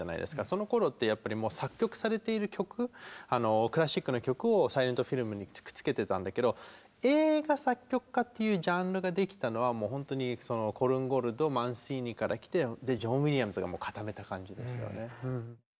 そのころってやっぱりもう作曲されている曲クラシックの曲をサイレントフィルムにくっつけてたんだけど映画作曲家っていうジャンルができたのはもう本当にコルンゴルトマンシーニから来てでジョン・ウィリアムズがもう固めた感じですよね。